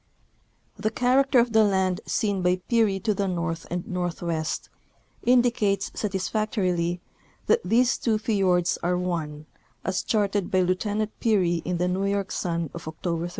The character of the land seen by Peary to the north and northwest indicates satisfactorily that these two fiords are one, as charted by Lieutenant Peary in the New York Sun of October 31.